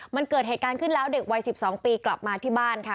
มันเกิดเหตุการณ์ขึ้นแล้วเด็กวัย๑๒ปีกลับมาที่บ้านค่ะ